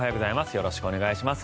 よろしくお願いします。